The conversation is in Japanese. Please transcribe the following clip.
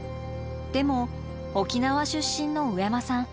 でも沖縄出身の上間さん